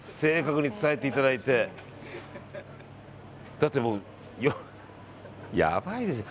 だって、もうやばいでしょ。